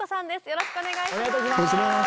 よろしくお願いします。